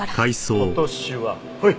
今年はほい。